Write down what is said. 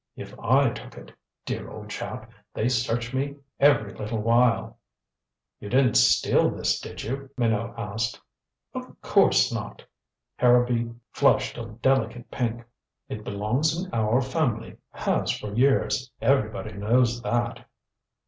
If I took it dear old chap they search me every little while." "You didn't steal this, did you?" Minot asked. "Of course not." Harrowby flushed a delicate pink. "It belongs in our family has for years. Everybody knows that."